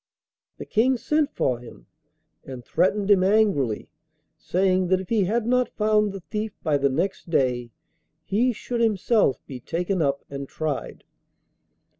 The King sent for him, and threatened him angrily, saying that if he had not found the thief by the next day, he should himself be taken up and tried.